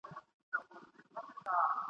نه مو اختر نه مو خوښي نه مو باران ولیدی ..